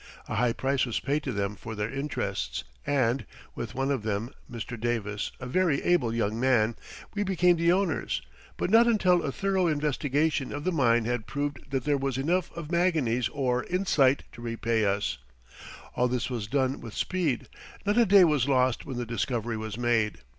A high price was paid to them for their interests, and (with one of them, Mr. Davis, a very able young man) we became the owners, but not until a thorough investigation of the mine had proved that there was enough of manganese ore in sight to repay us. All this was done with speed; not a day was lost when the discovery was made.